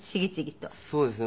そうですね。